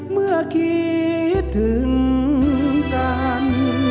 เมื่อคิดถึงกัน